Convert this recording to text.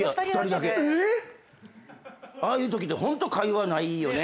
えっ！？ああいうときってホント会話ないよね。